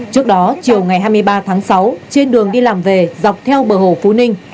trước đó chiều ngày hai mươi ba tháng sáu trên đường đi làm về dọc theo bờ hồ phú ninh